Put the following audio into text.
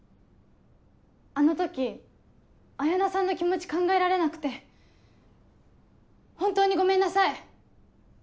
あの時彩菜さんの気持ち考えられなくて本当にごめんなさい。